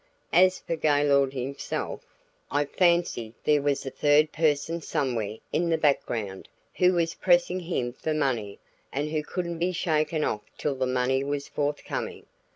As for Gaylord himself, I fancy there was a third person somewhere in the background who was pressing him for money and who couldn't be shaken off till the money was forthcoming.